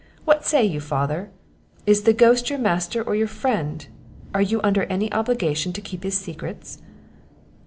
What say you, father, Is the ghost your master, or your friend? Are you under any obligation to keep his secrets?"